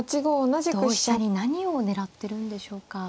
同飛車に何を狙ってるんでしょうか。